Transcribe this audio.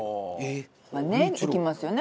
いきますよね